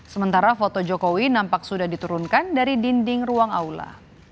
sementara foto jokowi nampak sudah diturunkan dari dinding ruang aula